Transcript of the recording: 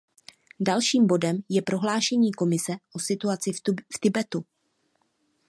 Dalším bodem je prohlášení Komise o situaci v Tibetu.